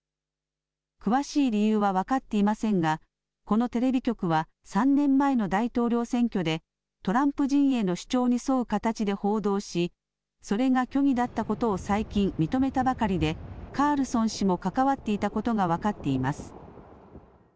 詳しい理由は分かっていませんがこのテレビ局は３年前の大統領選挙でトランプ陣営の主張に沿う形で報道しそれが虚偽だったことを最近認めたばかりでカールソン氏も関わっていたことが分かっています。